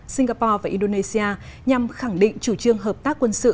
singapore và indonesia nhằm khẳng định chủ trương hợp tác quân sự